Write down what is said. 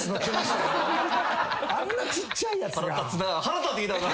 あんなちっちゃいやつが。